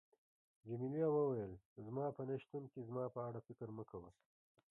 جميلې وويل: زما په نه شتون کې زما په اړه فکر مه کوه.